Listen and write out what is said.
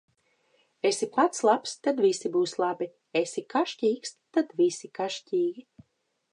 Esi pats labs, tad visi būs labi; esi kašķīgs, tad visi kašķīgi.